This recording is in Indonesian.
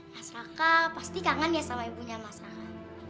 mas raka pasti kangen ya sama ibunya mas raka